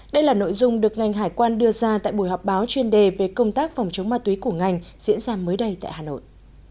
đây là nội dung được ngành hải quan đưa ra tại buổi họp báo chuyên đề về công tác phòng chống ma túy của ngành diễn ra mới đây tại hà nội